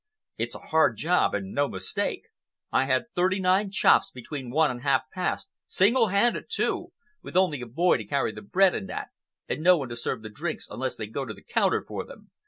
It's a hard job, and no mistake. I had thirty nine chops between one and half past, single handed, too, with only a boy to carry the bread and that, and no one to serve the drinks unless they go to the counter for them.